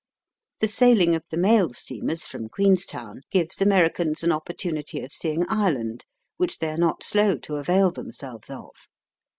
The sailing of the mail steamers from Queenstown gives Americans an oppor tunity of seeing Ireland, which they are not slow to avail themselves of.